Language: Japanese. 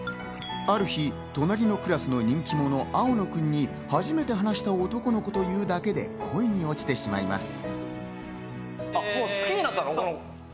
ある日、隣のクラスの人気者・青野くんに初めて話した男の子というだけで恋に落ちてしまいます。